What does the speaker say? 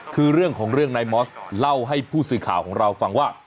คือเรื่องของเรื่องนายมอสเล่าให้ผู้สื่อข่าวของเราฟังว่า